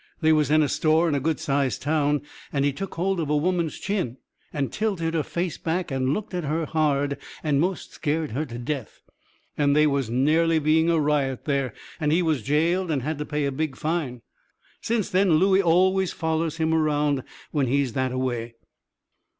They was in a store in a good sized town, and he took hold of a woman's chin, and tilted her face back, and looked at her hard, and most scared her to death, and they was nearly being a riot there. And he was jailed and had to pay a big fine. Since then Looey always follers him around when he is that a way.